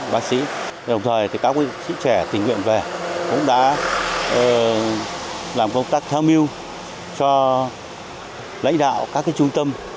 bác sĩ đồng thời các sĩ trẻ tình nguyện về cũng đã làm công tác tham mưu cho lãnh đạo các trung tâm